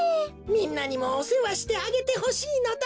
みんなにもおせわしてあげてほしいのだ。